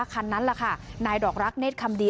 คันนั้นแหละค่ะนายดอกรักเศษคำดี